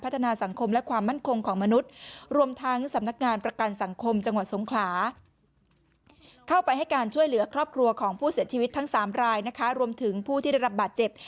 ทั้งสามรายนะคะรวมถึงผู้ที่ได้รับบาดเจ็บ